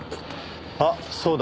あっそうだ。